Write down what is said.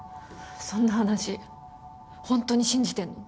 そんな話ほんとに信じてんの？